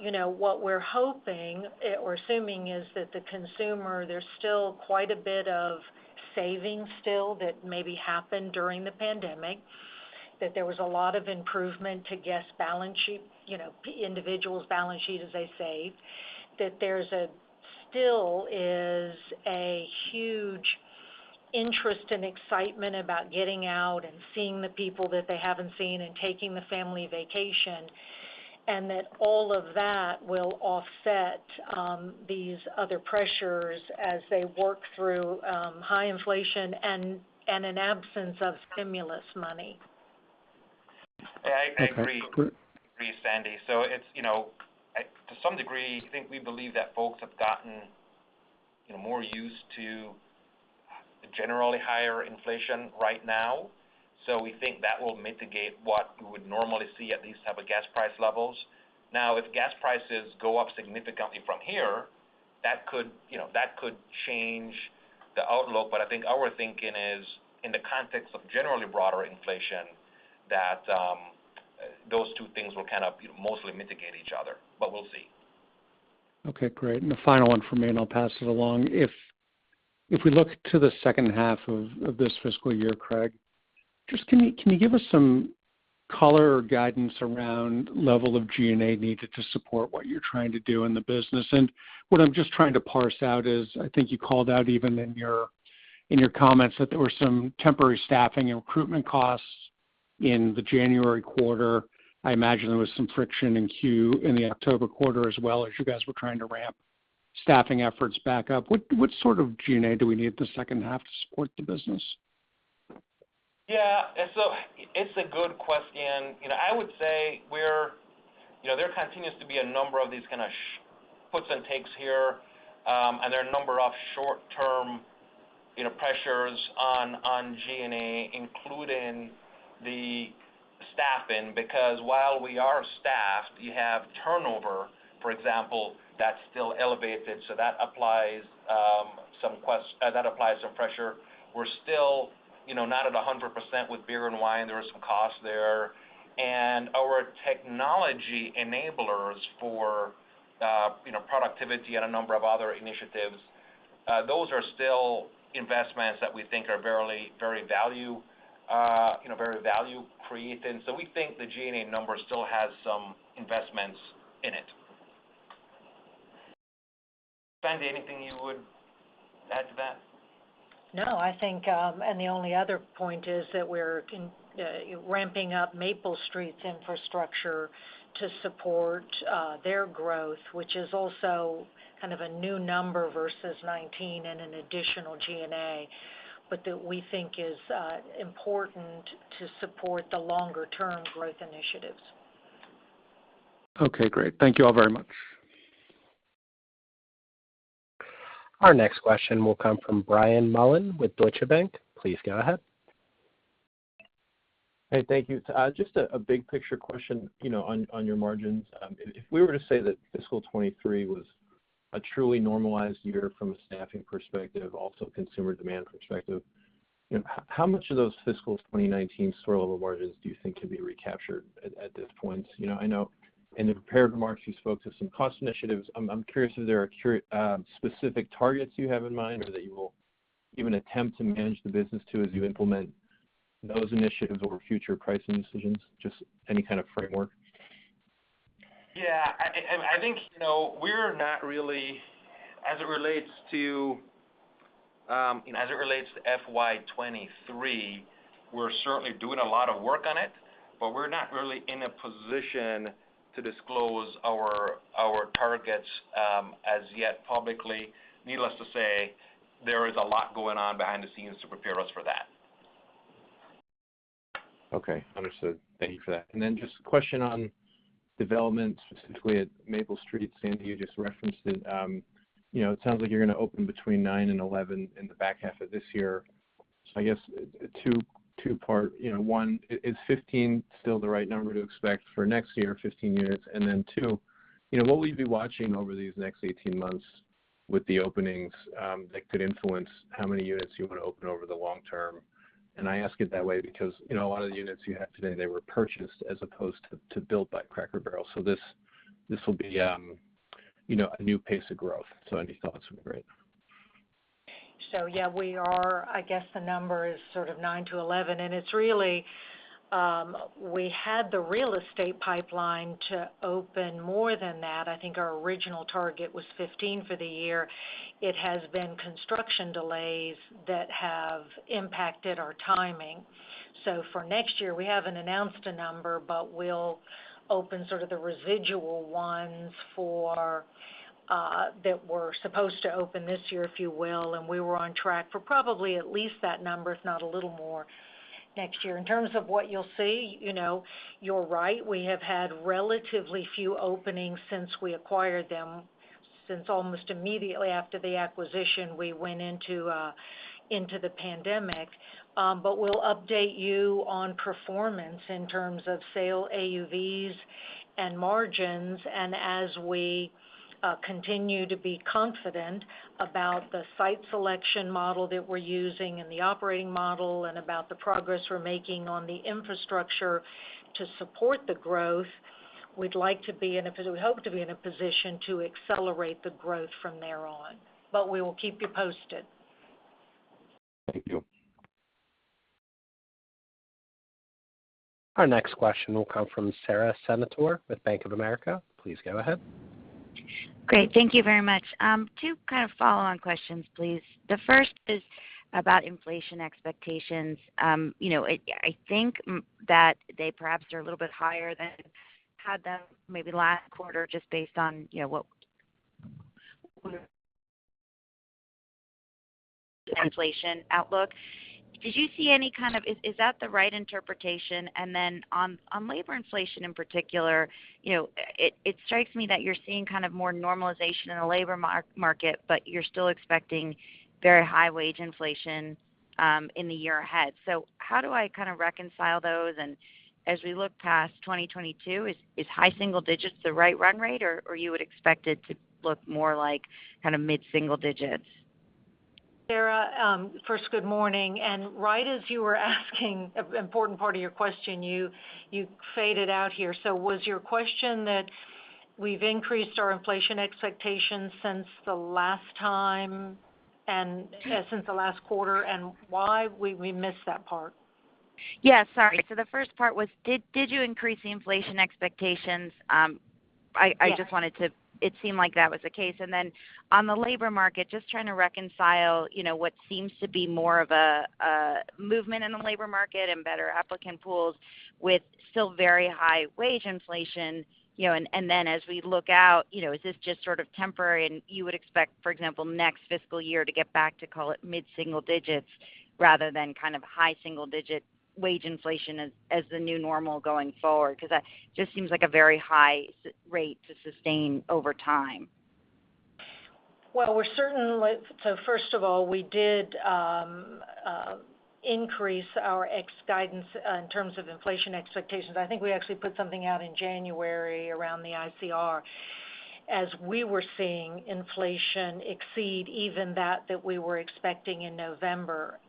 You know, what we're hoping or assuming is that the consumer, there's still quite a bit of savings that maybe happened during the pandemic, that there was a lot of improvement to guest balance sheet, you know, individuals' balance sheet as they saved, that there's still is a huge interest and excitement about getting out and seeing the people that they haven't seen and taking the family vacation, and that all of that will offset these other pressures as they work through high inflation and an absence of stimulus money. Yeah, I agree. Okay. agree, Sandy. It's, you know, to some degree, I think we believe that folks have gotten, you know, more used to generally higher inflation right now. We think that will mitigate what we would normally see at these type of gas price levels. Now, if gas prices go up significantly from here, that could, you know, that could change the outlook. I think our thinking is, in the context of generally broader inflation, that those two things will kind of mostly mitigate each other. We'll see. Okay, great. The final one from me, and I'll pass it along. If we look to the H2 of this fiscal year, Craig, just can you give us some color or guidance around level of G&A needed to support what you're trying to do in the business? What I'm just trying to parse out is, I think you called out even in your comments that there were some temporary staffing and recruitment costs in the January quarter. I imagine there was some friction in the October quarter as well, as you guys were trying to ramp staffing efforts back up. What sort of G&A do we need the H2 to support the business? Yeah. It's a good question. You know, I would say we're. You know, there continues to be a number of these kind of puts and takes here. There are a number of short-term, you know, pressures on G&A, including the staffing, because while we are staffed, you have turnover, for example, that's still elevated, so that applies some pressure. We're still, you know, not at 100% with beer and wine. There are some costs there. Our technology enablers for, you know, productivity and a number of other initiatives, those are still investments that we think are very value-creating. We think the G&A number still has some investments in it. Sandy, anything you would add to that? No, I think, the only other point is that we're ramping up Maple Street's infrastructure to support their growth, which is also kind of a new number versus 2019 and an additional G&A, but that we think is important to support the longer-term growth initiatives. Okay, great. Thank you all very much. Our next question will come from Brian Mullan with Deutsche Bank. Please go ahead. Hey, thank you. Just a big picture question, you know, on your margins. If we were to say that fiscal 2023 was a truly normalized year from a staffing perspective, also consumer demand perspective, you know, how much of those fiscal 2019 store level margins do you think can be recaptured at this point? You know, I know in the prepared remarks, you spoke to some cost initiatives. I'm curious if there are specific targets you have in mind or that you will even attempt to manage the business to as you implement those initiatives or future pricing decisions, just any kind of framework? Yeah, I think, you know, we're not really as it relates to FY 2023, we're certainly doing a lot of work on it, but we're not really in a position to disclose our targets as yet publicly. Needless to say, there is a lot going on behind the scenes to prepare us for that. Okay. Understood. Thank you for that. Just a question on development, specifically at Maple Street, Sandy, you just referenced it. You know, it sounds like you're gonna open between nine and 11 in the back half of this year. I guess two-part, you know. One, is 15 still the right number to expect for next year, 15 units? Two, you know, what will you be watching over these next 18 months with the openings, that could influence how many units you want to open over the long term? I ask it that way because, you know, a lot of the units you have today, they were purchased as opposed to built by Cracker Barrel. This will be, you know, a new pace of growth. Any thoughts would be great. Yeah, I guess the number is sort of nine to 11, and it's really, we had the real estate pipeline to open more than that. I think our original target was 15 for the year. It has been construction delays that have impacted our timing. For next year, we haven't announced a number, but we'll open sort of the residual ones for that were supposed to open this year, if you will, and we were on track for probably at least that number, if not a little more next year. In terms of what you'll see, you know, you're right, we have had relatively few openings since we acquired them. Since almost immediately after the acquisition, we went into the pandemic. But we'll update you on performance in terms of sales AUVs and margins. As we continue to be confident about the site selection model that we're using and the operating model and about the progress we're making on the infrastructure to support the growth, we hope to be in a position to accelerate the growth from there on. We will keep you posted. Thank you. Our next question will come from Sara Senatore with Bank of America. Please go ahead. Great. Thank you very much. Two kind of follow-on questions, please. The first is about inflation expectations. You know, I think that they perhaps are a little bit higher than had them maybe last quarter, just based on, you know, the inflation outlook. Is that the right interpretation? Then on labor inflation in particular, you know, it strikes me that you're seeing kind of more normalization in the labor market, but you're still expecting very high wage inflation in the year ahead. So how do I kind of reconcile those? And as we look past 2022, is high single digits the right run rate, or you would expect it to look more like kind of mid-single digits? Sara, first good morning. Right as you were asking an important part of your question, you faded out here. Was your question that we've increased our inflation expectations since the last time and, since the last quarter, and why? We missed that part. Yeah, sorry. The first part was did you increase the inflation expectations? Yes. It seemed like that was the case. Then on the labor market, just trying to reconcile, you know, what seems to be more of a movement in the labor market and better applicant pools with still very high wage inflation, you know. Then as we look out, you know, is this just sort of temporary, and you would expect, for example, next fiscal year to get back to, call it, mid-single digits rather than kind of high single digit wage inflation as the new normal going forward? 'Cause that just seems like a very high rate to sustain over time. First of all, we did increase our CapEx guidance in terms of inflation expectations. I think we actually put something out in January around the ICR as we were seeing inflation exceed even that that we were expecting in November.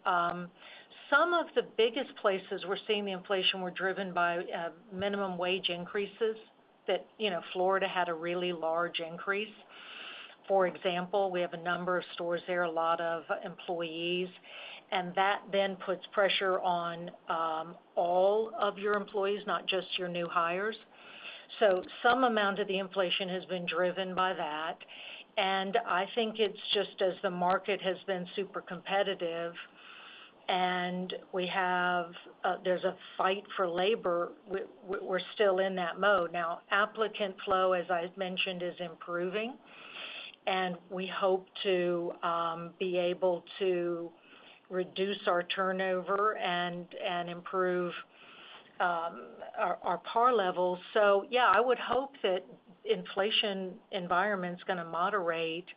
Some of the biggest places we're seeing the inflation were driven by minimum wage increases that you know Florida had a really large increase. For example, we have a number of stores there, a lot of employees, and that then puts pressure on all of your employees, not just your new hires. Some amount of the inflation has been driven by that. I think it's just as the market has been super competitive and there's a fight for labor. We're still in that mode. Now, applicant flow, as I mentioned, is improving, and we hope to be able to reduce our turnover and improve our par levels. Yeah, I would hope that inflation environment's gonna moderate.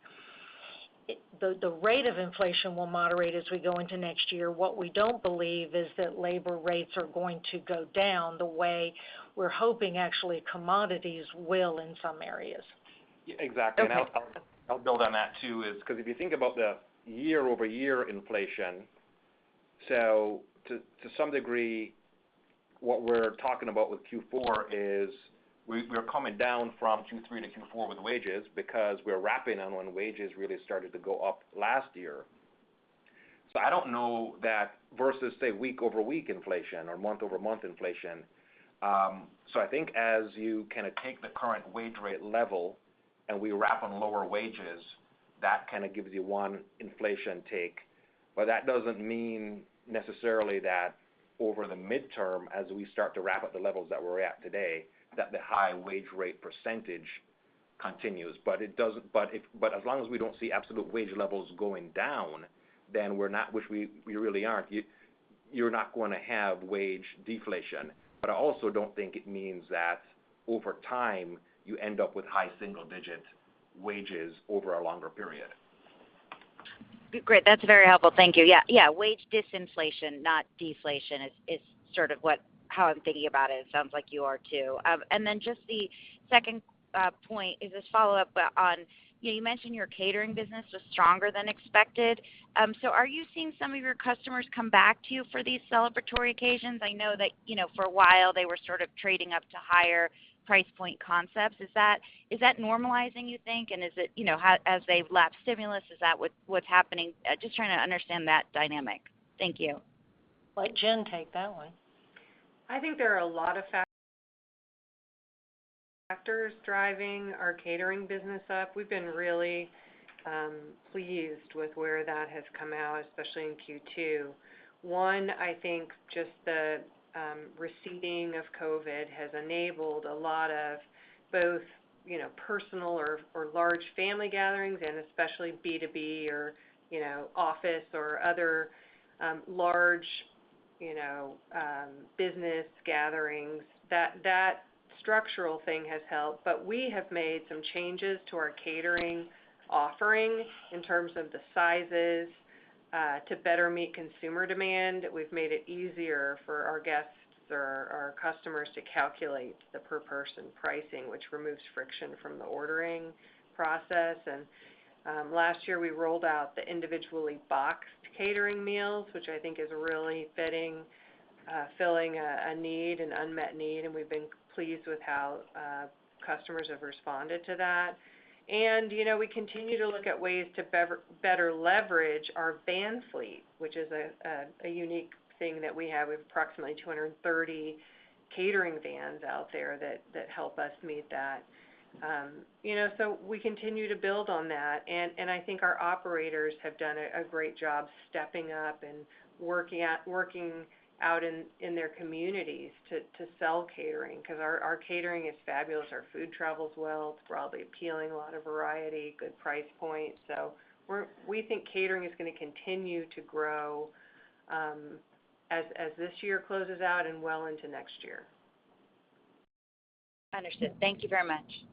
The rate of inflation will moderate as we go into next year. What we don't believe is that labor rates are going to go down the way we're hoping actually commodities will in some areas. Okay. Yeah, exactly. I'll build on that too, is because if you think about the year-over-year inflation, so to some degree, what we're talking about with Q4 is we are coming down from Q3 to Q4 with wages because we're wrapping on when wages really started to go up last year. I don't know that versus say, week-over-week inflation or month-over-month inflation. I think as you kinda take the current wage rate level and we wrap on lower wages, that kind of gives you one inflation take. That doesn't mean necessarily that over the midterm, as we start to wrap up the levels that we're at today, that the high wage rate percentage continues. As long as we don't see absolute wage levels going down, then we're not... We really aren't. You're not gonna have wage deflation. I also don't think it means that over time, you end up with high single digit wages over a longer period. Great. That's very helpful. Thank you. Yeah, yeah. Wage disinflation, not deflation is sort of how I'm thinking about it. It sounds like you are too. And then just the second point is just follow up on, you know, you mentioned your catering business was stronger than expected. So are you seeing some of your customers come back to you for these celebratory occasions? I know that, you know, for a while they were sort of trading up to higher price point concepts. Is that normalizing you think, and is it, you know, as they lap stimulus, is that what's happening? Just trying to understand that dynamic. Thank you. Let Jen take that one. I think there are a lot of factors driving our catering business up. We've been really pleased with where that has come out, especially in Q2. One, I think just the receding of COVID has enabled a lot of both, you know, personal or large family gatherings and especially B2B or, you know, office or other, large, you know, business gatherings. That structural thing has helped. We have made some changes to our catering offering in terms of the sizes to better meet consumer demand. We've made it easier for our guests or our customers to calculate the per person pricing, which removes friction from the ordering process. Last year we rolled out the individually boxed catering meals, which I think is really fitting, filling a need, an unmet need, and we've been pleased with how customers have responded to that. You know, we continue to look at ways to better leverage our van fleet, which is a unique thing that we have. We have approximately 230 catering vans out there that help us meet that. You know, so we continue to build on that. I think our operators have done a great job stepping up and working out in their communities to sell catering 'cause our catering is fabulous. Our food travels well, it's broadly appealing, a lot of variety, good price point. We think catering is gonna continue to grow, as this year closes out and well into next year. Understood. Thank you very much.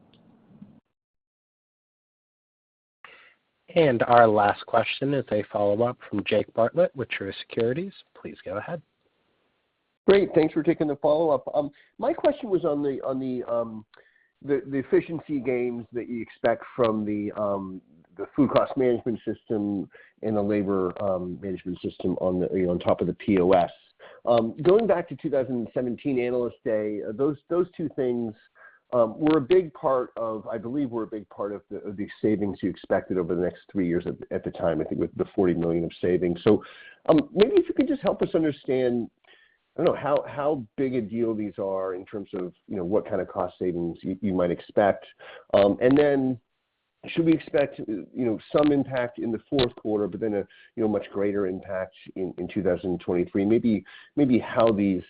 Our last question is a follow-up from Jake Bartlett with Truist Securities. Please go ahead. Great. Thanks for taking the follow-up. My question was on the efficiency gains that you expect from the food cost management system and the labor management system on top of the POS. You know, going back to 2017 Analyst Day, those two things I believe were a big part of the savings you expected over the next three years at the time, I think with the $40 million of savings. Maybe if you could just help us understand, I don't know, how big a deal these are in terms of, you know, what kind of cost savings you might expect. Should we expect some impact in the Q4, but then a much greater impact in 2023? Maybe how these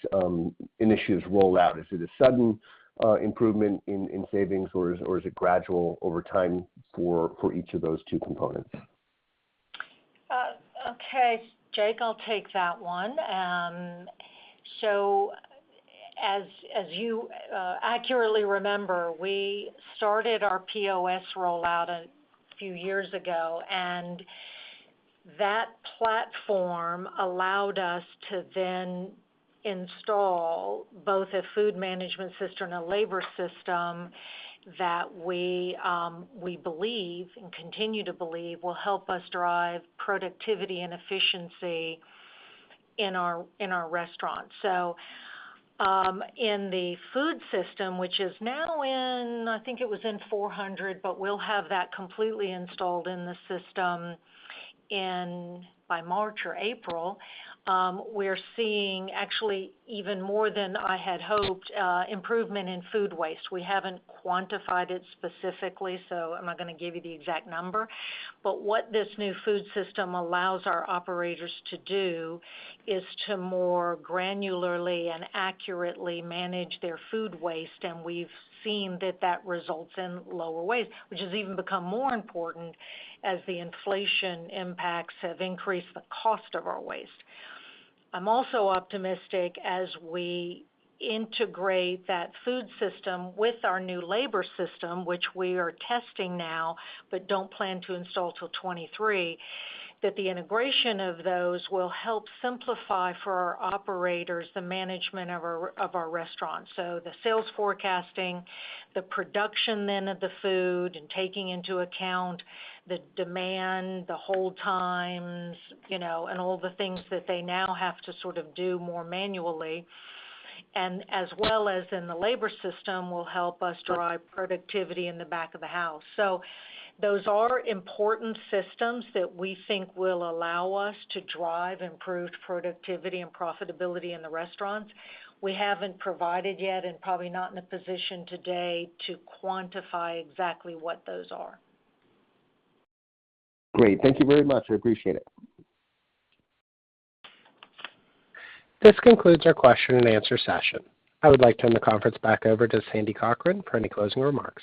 initiatives roll out. Is it a sudden improvement in savings or is it gradual over time for each of those two components? Okay, Jake, I'll take that one. As you accurately remember, we started our POS rollout a few years ago, and that platform allowed us to then install both a food management system and a labor system that we believe and continue to believe will help us drive productivity and efficiency in our restaurants. In the food system, which is now in, I think it was in 400, but we'll have that completely installed in the system by March or April. We're seeing actually even more than I had hoped improvement in food waste. We haven't quantified it specifically, so I'm not gonna give you the exact number. What this new food system allows our operators to do is to more granularly and accurately manage their food waste, and we've seen that results in lower waste, which has even become more important as the inflation impacts have increased the cost of our waste. I'm also optimistic as we integrate that food system with our new labor system, which we are testing now, but don't plan to install till 2023, that the integration of those will help simplify for our operators the management of our restaurants. The sales forecasting, the production then of the food and taking into account the demand, the hold times, you know, and all the things that they now have to sort of do more manually, and as well as in the labor system will help us drive productivity in the back of the house. Those are important systems that we think will allow us to drive improved productivity and profitability in the restaurants. We haven't provided yet and probably not in a position today to quantify exactly what those are. Great. Thank you very much. I appreciate it. This concludes our question and answer session. I would like to turn the conference back over to Sandy Cochran for any closing remarks.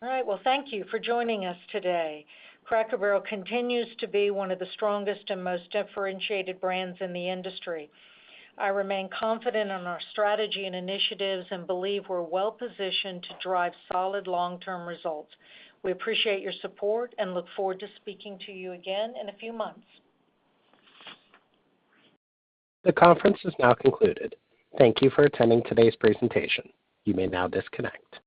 All right. Well, thank you for joining us today. Cracker Barrel continues to be one of the strongest and most differentiated brands in the industry. I remain confident in our strategy and initiatives and believe we're well positioned to drive solid long-term results. We appreciate your support and look forward to speaking to you again in a few months. The conference is now concluded. Thank you for attending today's presentation. You may now disconnect.